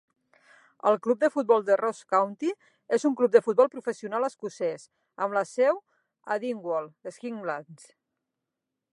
El club de futbol de Ross County és un club de futbol professional escocès amb la seu a Dingwall, les Highlands.